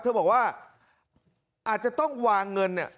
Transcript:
เธอบอกว่าอาจจะต้องวางเงินเนี่ย